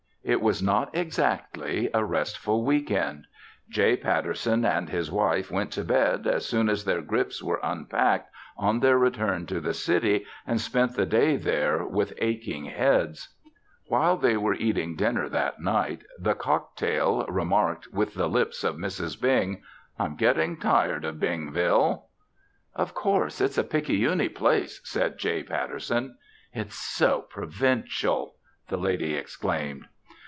It was not exactly a restful week end. J. Patterson and his wife went to bed, as soon as their grips were unpacked, on their return to the city and spent the day there with aching heads. While they were eating dinner that night, the cocktail remarked with the lips of Mrs. Bing: "I'm getting tired of Bingville." "Oh, of course, it's a picayune place," said J. Patterson. "It's so provincial!" the lady exclaimed.